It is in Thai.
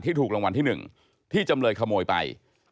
ถูกรางวัลที่๑ที่จำเลยขโมยไป